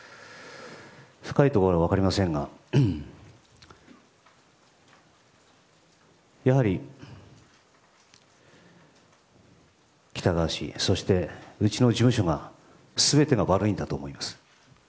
深いところは分かりませんがやはり喜多川氏そしてうちの事務所が全てが悪いんだと思います。